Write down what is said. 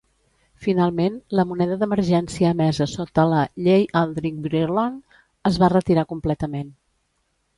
Finalment, la moneda d'emergència emesa sota la "Llei Aldrich-Vreeland" es va retirar completament.